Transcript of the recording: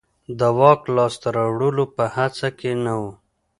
د واک لاسته راوړلو په هڅه کې نه و.